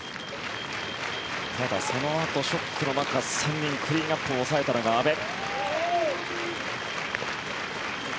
ただ、そのあとショックの中３人クリーンアップを抑えたのが阿部。